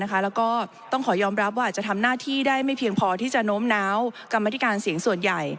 แล้วก็ต้องขอยอมรับว่าจะทำหน้าที่ได้ไม่เพียงพอที่จะโน้มน้าวกรรมธิการเสียงส่วนใหญ่